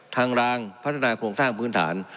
รางพัฒนาโครงสร้างพื้นฐาน